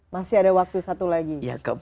masih ada waktu satu lagi